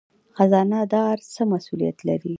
خزانه دار څه مسوولیت لري؟